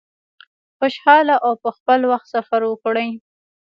خوشحاله او په خپل وخت سفر وکړی.